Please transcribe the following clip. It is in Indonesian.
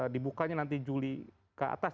dibukanya nanti juli ke atas